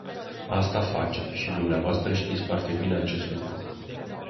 Asta facem, și dvs. știți bine acest lucru.